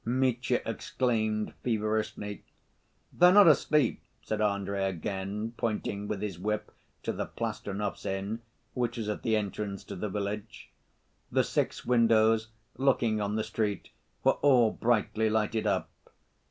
Mitya exclaimed, feverishly. "They're not asleep," said Andrey again, pointing with his whip to the Plastunovs' inn, which was at the entrance to the village. The six windows, looking on the street, were all brightly lighted up.